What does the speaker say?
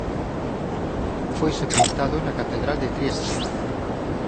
Foi sepultado na catedral de Trieste.